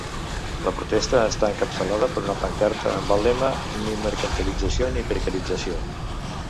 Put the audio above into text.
La protesta està encapçalada per una pancarta amb el lema “Ni mercantilització ni precarització”.